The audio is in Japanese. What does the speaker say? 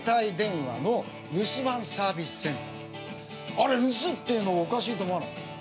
あれ留守っていうのおかしいと思わない？